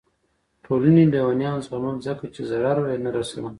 ټولنې لیونیان زغمل ځکه چې ضرر یې نه رسوه.